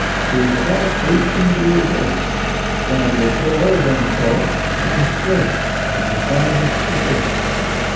She was about eighteen years old, rather tall than short, and slim, with the finest proportions.